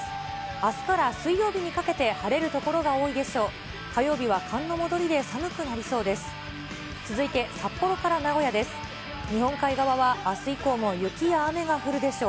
あすから水曜日にかけて、晴れる所が多いでしょう。